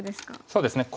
そうですね。